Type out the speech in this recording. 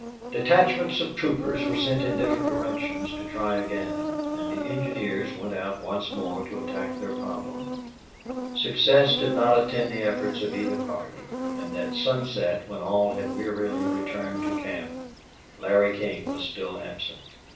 Detachments of troopers were sent in different directions to try again. And the engineers went out once more to attack their problem. Success did not attend the efforts of either party, and at sunset, when all had wearily returned to camp, Larry King was still absent.